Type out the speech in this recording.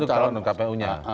untuk menentukan kpu nya